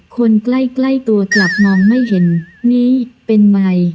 คนใกล้ตัวกลับมองไม่เห็นนี้เป็นไมค์